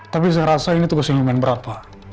tapi saya rasa ini tugas yang imen berat pak